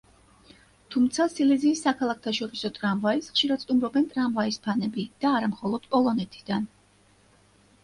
თუმცა სილეზიის საქალაქთაშორისო ტრამვაის ხშირად სტუმრობენ ტრამვაის ფანები და არა მხოლოდ პოლონეთიდან.